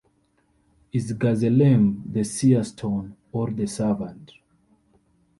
Is Gazelem the seer stone or the servant?